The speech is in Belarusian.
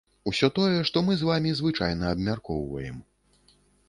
Усё тое, што мы з вамі звычайна абмяркоўваем.